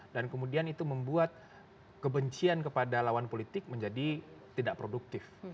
dan kemudian itu membuat kebencian kepada lawan politik menjadi tidak produktif